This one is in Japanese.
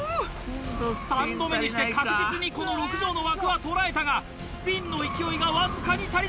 ３度目にして確実にこの６畳の枠は捉えたがスピンの勢いがわずかに足りなかった。